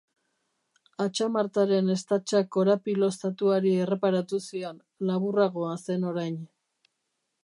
Atxamartaren estatxa korapiloztatuari erreparatu zion, laburragoa zen orain.